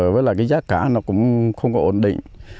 với lại cái giá cả nó cũng không có ổn định